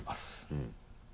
うん。